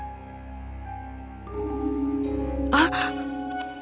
aneh sekali kau tidak takut